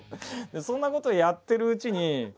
そんなことをやってるうちに。